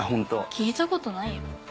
聞いたことないよ。